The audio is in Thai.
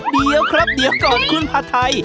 เดี๋ยวครับเดี๋ยวก่อนคุณพาไทย